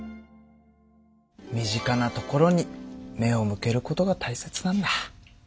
身近なところに目を向けることが大切なんだ。